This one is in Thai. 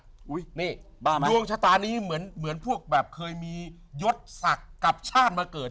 อุ้ยนี่ดวงชะตานี้เหมือนพวกแบบเคยมียศศักดิ์กับชาติมาเกิด